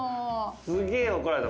すげえ怒られた。